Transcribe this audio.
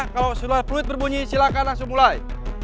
kalau sudah fluid berbunyi silakan langsung mulai